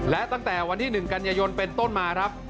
และตั้งแต่วันที่๑กันยายนเป็นต้นมาครับ